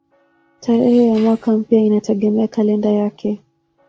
Tarehe ya mwaka mpya inategemea kalenda yake.